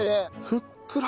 ふっくら！